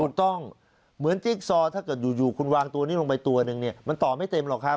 เหมือนจิ๊กซอถ้าเกิดอยู่คุณวางตัวนี้ลงไปตัวหนึ่งเนี่ยมันต่อไม่เต็มหรอกครับ